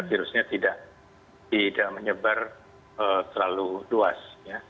virusnya tidak menyebar terlalu luas